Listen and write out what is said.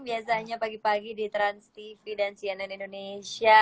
biasanya pagi pagi di transtv dan cnn indonesia